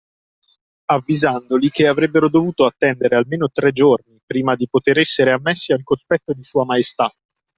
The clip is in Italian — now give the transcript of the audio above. Avvisandoli che avrebbero dovuto attendere almeno tre giorni prima di poter essere ammessi al cospetto di Sua Maestà.